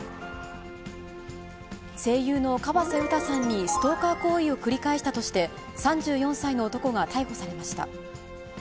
声優の河瀬詩さんにストーカー行為を繰り返したとして、３４歳の男が逮捕されました。